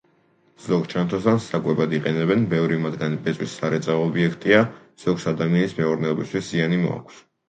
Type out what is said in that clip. ზოგ ჩანთოსანს საკვებად იყენებენ, ბევრი მათგანი ბეწვის სარეწაო ობიექტია, ზოგს ადამიანის მეურნეობისთვის ზიანი მოაქვს.